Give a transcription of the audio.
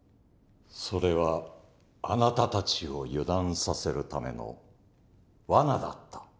それはあなたたちを油断させるためのワナだった？